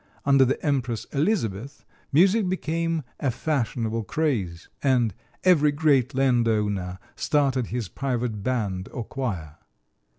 Under the Empress Elizabeth music became "a fashionable craze," and "every great landowner started his private band or choir."